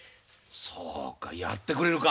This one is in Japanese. そうかやってくれるか？